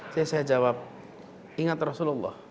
saya jawab ingat rasulullah